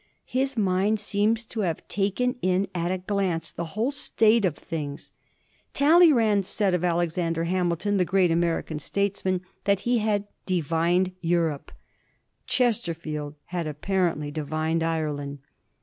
His mind seems to have taken in at a glance the whole state of things. Talleyrand said of Alexander Hamilton, the great American statesman, that 1746. THE STATE OF IRELAND. 249 he had '' divined Europe." Chesterfield had apparently divined Ireland.